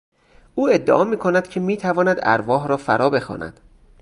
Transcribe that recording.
او ادعا میکند که میتواند ارواح را فرا بخواند.